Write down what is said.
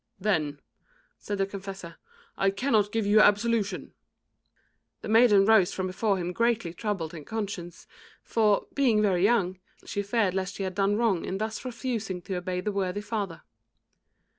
"Then," said the confessor, "I cannot give you absolution." The maiden rose from before him greatly troubled in conscience, for, being very young, she feared lest she had done wrong in thus refusing to obey the worthy father.